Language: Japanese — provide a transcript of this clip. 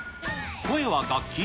声は楽器？